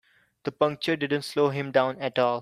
The puncture didn't slow him down at all.